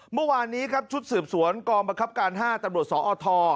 เมื่อวานนี้ครับชุดสืบสวนกองบังคับการ๕ตำรวจสอท